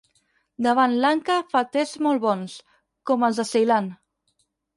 Davant Lanka fa tes molt bons, com els de Ceilan.